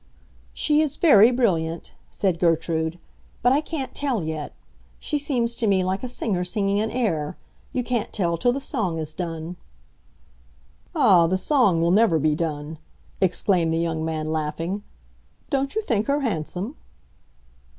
"She is very brilliant," said Gertrude. "But I can't tell yet. She seems to me like a singer singing an air. You can't tell till the song is done." "Ah, the song will never be done!" exclaimed the young man, laughing. "Don't you think her handsome?"